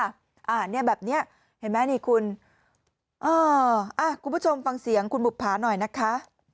อันนี้แบบเนี้ยเห็นไหมนี่คุณเอออ่ะคุณผู้ชมฟังเสียงคุณบุภาหน่อยนะคะ